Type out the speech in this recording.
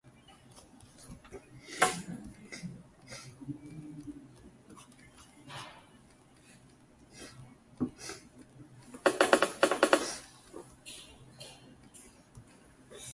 This "invisible hand" of integration phenomenon was termed "spill-over.